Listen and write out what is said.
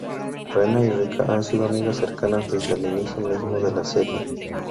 Rena y Rika han sido amigas cercanas desde el inicio mismo de la serie.